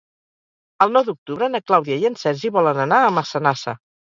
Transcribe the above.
El nou d'octubre na Clàudia i en Sergi volen anar a Massanassa.